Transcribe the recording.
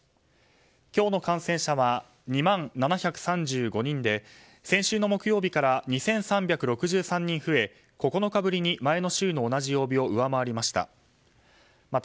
今日の感染者は２万７３５人で先週の木曜日から２３６３人増え９日ぶりに前の週の同じ曜日を上回りました。